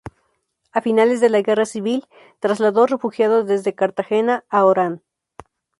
A finales de la guerra civil, traslado refugiados desde Cartagena a Orán.